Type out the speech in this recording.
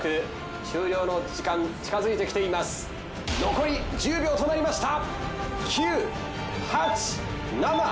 残り１０秒となりました。